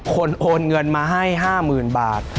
โอนเงินมาให้๕๐๐๐บาท